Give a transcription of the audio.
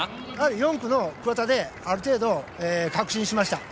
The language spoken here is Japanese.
４区の桑田である程度、確信しました。